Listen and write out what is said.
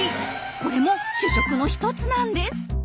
これも主食の一つなんです。